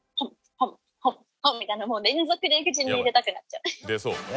みたいな連続で口に入れたくなっちゃう。